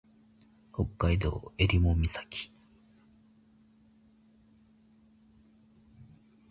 北海道襟裳岬